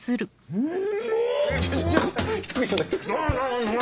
うん！